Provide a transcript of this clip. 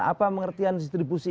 apa pengertian distribusi